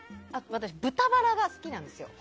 私、豚バラが好きなんですよ。